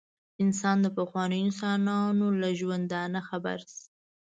انسان د پخوانیو انسانانو له ژوندانه خبر شي.